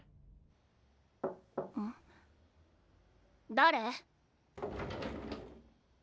誰？